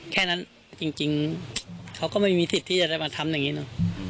แค่นั้นจริงเขาก็ไม่มีทิศที่จะได้มาทำแบบนี้หนู